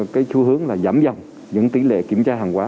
cái chú hướng là giảm dần những tỷ lệ kiểm tra hàng quả